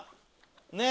ねえ。